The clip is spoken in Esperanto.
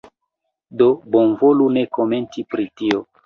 do bonvolu ne komenti pri tio.